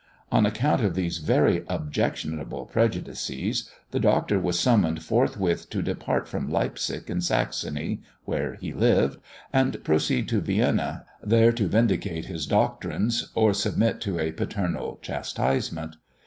On account of these very objectionable prejudices, the Doctor was summoned forthwith to depart from Leipzig in Saxony, where he lived, and proceed to Vienna, there to vindicate his doctrines or submit to a paternal chastisement.